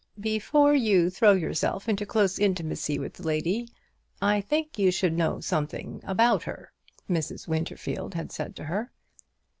"Before you throw yourself into close intimacy with the lady, I think you should know something about her," Mrs. Winterfield had said to her.